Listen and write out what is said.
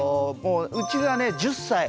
うちはね１０歳。